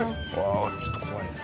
ああちょっと怖いね。